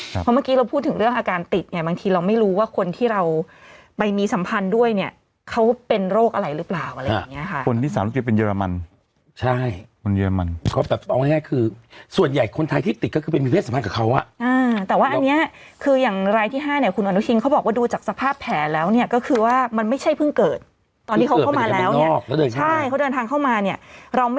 เพราะเมื่อกี้เราพูดถึงเรื่องอาการติดเนี่ยบางทีเราไม่รู้ว่าคนที่เราไปมีสัมพันธ์ด้วยเนี่ยเขาเป็นโรคอะไรหรือเปล่าอะไรอย่างเงี้ยค่ะคนที่สามารถเก็บเป็นเยอรมันใช่คนเยอรมันครับแต่เอาง่ายคือส่วนใหญ่คนไทยที่ติดก็คือเป็นมีเพศสัมพันธ์กับเขาอ่ะอ่าแต่ว่าอันเนี้ยคืออย่างรายที่ห้าเนี่ยคุณอา